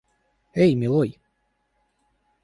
Эй, милой!